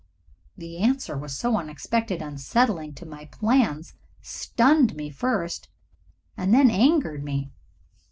The answer, so unexpected and unsettling to all my plans, stunned me first and then angered me.